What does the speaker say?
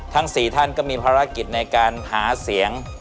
ทั้ง๔ท่านก็มีภารกิจในการหาเสียง